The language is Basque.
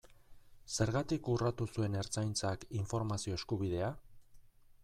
Zergatik urratu zuen Ertzaintzak informazio eskubidea?